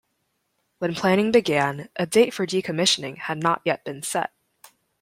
When planning began, a date for decommissioning had not yet been set.